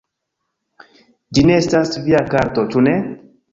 Ĝi ne estas via karto, ĉu ne?